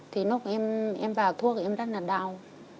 thì lúc em vào thuốc em rất là đau